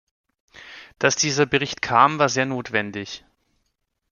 Dass dieser Bericht kam, war sehr notwendig.